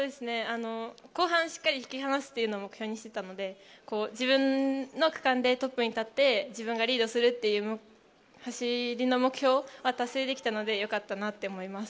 後半しっかり引き離すというのを目標にしてたので、自分の区間でトップに立って自分がリードするという、走りの目標は達成できたので良かったなって思います。